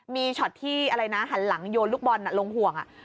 มีช็อตที่อะไรนะหันหลังโยนลูกบอลลงห่วง